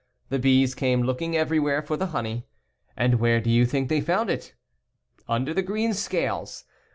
The bees came looking everywhere for the honey. And where do you think they found it? Under the green scales.